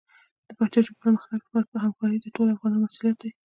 د پښتو ژبې د پرمختګ لپاره همکاري د ټولو افغانانو مسؤلیت دی.